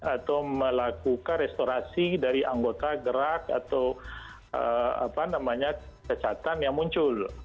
atau melakukan restorasi dari anggota gerak atau kecatan yang muncul